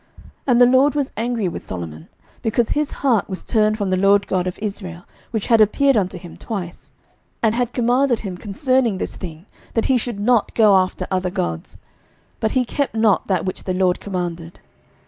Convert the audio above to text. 11:011:009 And the LORD was angry with Solomon, because his heart was turned from the LORD God of Israel, which had appeared unto him twice, 11:011:010 And had commanded him concerning this thing, that he should not go after other gods: but he kept not that which the LORD commanded.